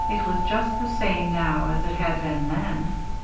It was just the same now as it had been then.